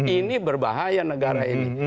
ini berbahaya negara ini